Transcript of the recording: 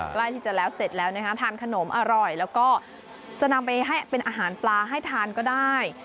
ใกล้ที่จะแล้วเสร็จแล้วนะคะทานขนมอร่อยแล้วก็จะนำไปให้เป็นอาหารปลาให้ทานก็ได้